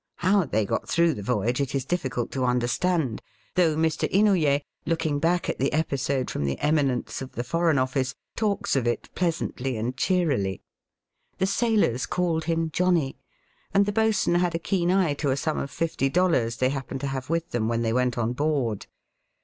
How they got through the voyage it is difficult to understand, though Mr. Inouye, looking back at the episode from the eminence of the Foreign Office, talks of it pleasantly and cheerily. The sailors called him Johnny," and the bo'sun had a keen eye to a sum of fifty dollars they happened to have with them when they went on board.